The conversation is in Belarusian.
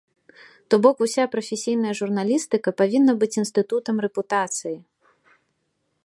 То бок, уся прафесійная журналістыка павінна быць інстытутам рэпутацыі.